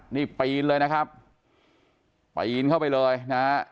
นี่ปีนเลยนะครับปีนเข้าไปเลยนะฮะ